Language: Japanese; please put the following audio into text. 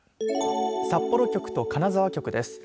札幌局と金沢局です。